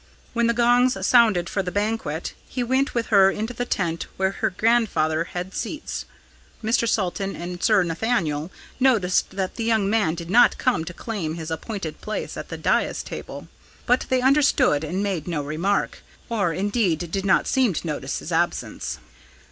When the gongs sounded for the banquet, he went with her into the tent where her grandfather had seats. Mr. Salton and Sir Nathaniel noticed that the young man did not come to claim his appointed place at the dais table; but they understood and made no remark, or indeed did not seem to notice his absence.